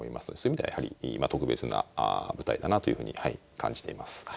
そういう意味ではやはり特別な舞台だなというふうに感じています。